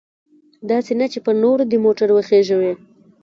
داسې نه چې پر نورو دې موټر وخیژوي.